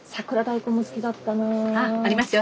あありますよ